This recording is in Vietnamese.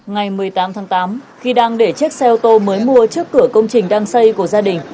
ngày một mươi tám tháng tám khi đang để chiếc xe ô tô mới mua trước cửa công trình đang xây của gia đình